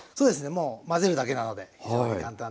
もう混ぜるだけなので非常に簡単です。